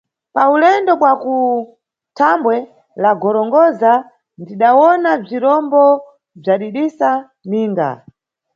Pa ulendo bwa ku dambwe la Gorongosa, ndidawona bzirombo bzadidisa ninga.